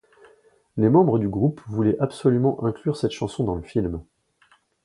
Les membres du groupe voulaient absolument inclure cette chanson dans le film.